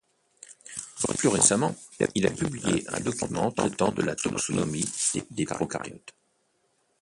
Plus récemment, il a publié un document traitant de la taxonomie des procaryotes.